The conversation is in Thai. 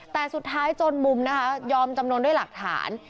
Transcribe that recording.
แต่สุดท้ายจนมุมนะคะยอมจำนวนด้วยหลักฐาน